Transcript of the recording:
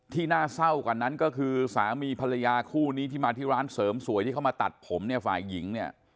น่าเศร้ากว่านั้นก็คือสามีภรรยาคู่นี้ที่มาที่ร้านเสริมสวยที่เขามาตัดผมเนี่ยฝ่ายหญิงเนี่ย